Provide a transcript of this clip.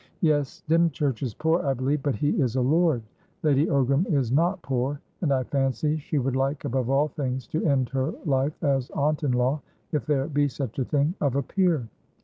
"Yes. Dymchurch is poor, I believe, but he is a lord. Lady Ogram is not poor, and I fancy she would like above all things to end her life as aunt in law (if there be such a thing) of a peer.